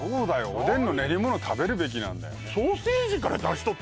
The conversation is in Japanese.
おでんの練り物食べるべきなんだよね